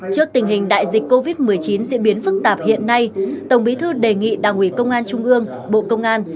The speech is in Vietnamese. trước tình hình đại dịch covid một mươi chín diễn biến phức tạp hiện nay tổng bí thư đề nghị đảng ủy công an trung ương bộ công an